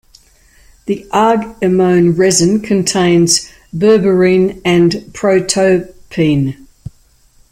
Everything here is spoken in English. This argemone resin contains berberine and protopine.